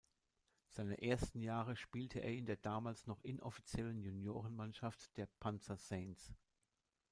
Seine ersten Jahre spielte er in der damals noch inoffiziellen Juniorenmannschaft der "Panzer Saints".